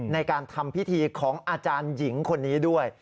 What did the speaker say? ในการทำพิธีของอาจารย์หญิงคนนี้ด้วย